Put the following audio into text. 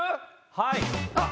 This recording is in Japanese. はい！